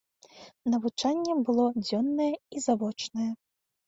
Навучанне было дзённае і завочнае.